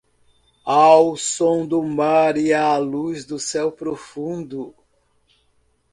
Ao som do mar e à luz do céu profundo